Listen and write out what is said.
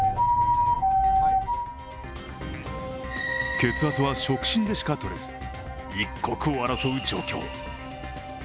血圧は触診でしかとれず、一刻を争う状況。